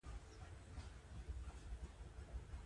د قانون حاکمیت د زور ځای ناستی دی